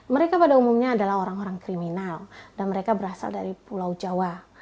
mereka pada umumnya adalah orang orang kriminal dan mereka berasal dari pulau jawa